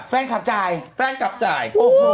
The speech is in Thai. แฟนคลับจ่าย